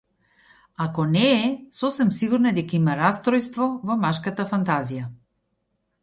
Ако не е, сосем сигурно е дека има растројство во машката фантазија.